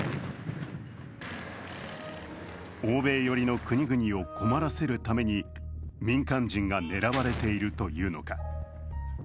欧米寄りの国々を困らせるために民間人が狙われているというのか。